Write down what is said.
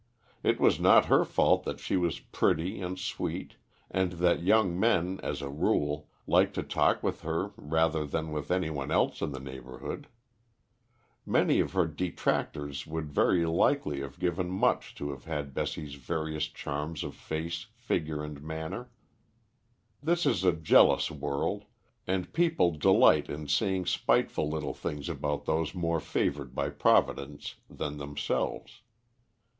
It was not her fault that she was pretty and sweet, and that young men, as a rule, liked to talk with her rather than with any one else in the neighbourhood. Many of her detractors would very likely have given much to have had Bessie's various charms of face, figure, and manner. This is a jealous world, and people delight in saying spiteful little things about those more favoured by Providence than themselves.